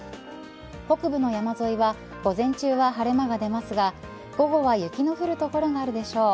北部の山沿いは午前中は晴れ間が出ますが午後は雪の降る所があるでしょう。